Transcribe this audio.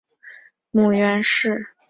母袁氏。